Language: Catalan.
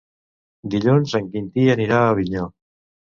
Dilluns en Quintí anirà a Avinyó.